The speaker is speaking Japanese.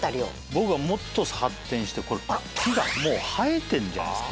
僕はもっと発展して木が生えてんじゃないですか。